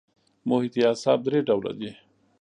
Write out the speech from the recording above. محیطي اعصاب درې ډوله دي.